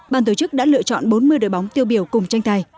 bàn tổ chức đã lựa chọn bốn mươi đội bóng tiêu biểu cùng tranh thài